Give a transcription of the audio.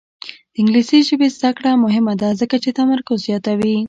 د انګلیسي ژبې زده کړه مهمه ده ځکه چې تمرکز زیاتوي.